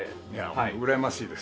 本当うらやましいです。